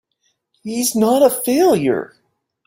He's not a failure!